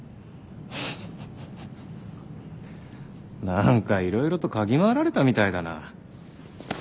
何か色々と嗅ぎ回られたみたいだな。